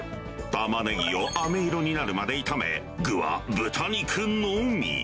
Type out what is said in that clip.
タマネギをあめ色になるまで炒め、具は豚肉のみ。